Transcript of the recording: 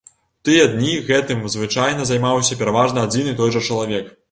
У тыя дні гэтым звычайна займаўся пераважна адзін і той жа чалавек.